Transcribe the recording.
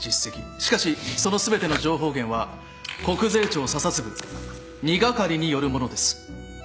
しかしその全ての情報源は国税庁査察部２係によるものです。